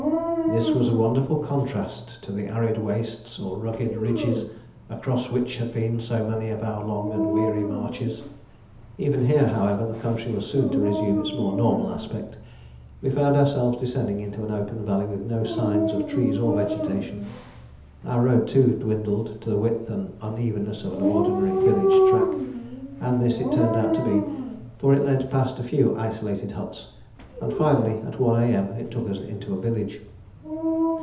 This was a wonderful contrast to the arid wastes or rugged ridges across which had been so many of our long and weary marches. Even here, however, the country was soon to resume its more normal aspect. We found ourselves descending into an open valley with no signs of trees or vegetation. Our road, too, dwindled to the width and unevenness of an ordinary village track, and this it turned out to be, for it led past a few isolated huts, and finally at 1 A.M. took us into a village.